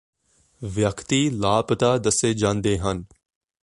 ਵਿਅਕਤੀ ਲਾਪਤਾ ਦੱਸੇ ਜਾਂਦੇ ਹਨ